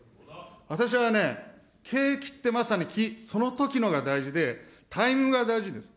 私はね、景気って、まさにそのときのが大事で、待遇が大事です。